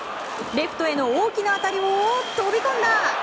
レフトへの大きな当たりを飛び込んだ！